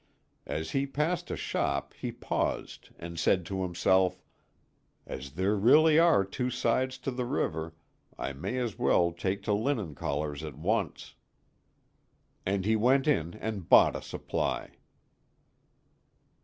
As he passed a shop he paused and said to himself: "As there really are two sides to the river, I may as well take to linen collars at once." And he went in and bought a supply.